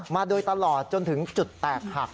มาโดยตลอดจนถึงจุดแตกหัก